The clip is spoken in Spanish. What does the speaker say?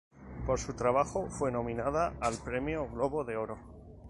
Por su trabajo fue nominada al premio Globo de Oro.